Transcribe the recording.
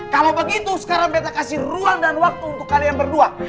kalau begitu sekarang mereka kasih ruang dan waktu untuk kalian berdua